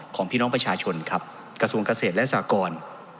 ของพี่น้องประชาชนครับกระทรวงเกษตรและสากร